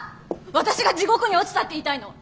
私が地獄に落ちたって言いたいの？